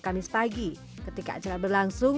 kamis pagi ketika acara berlangsung